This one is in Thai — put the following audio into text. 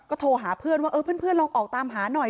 โทรหาเพื่อนว่าเออเพื่อนลองออกตามหาหน่อย